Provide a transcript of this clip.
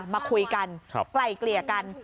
มาคุยกันไกลเกลี่ยกัน